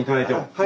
はい。